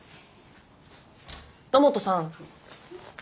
野本さん。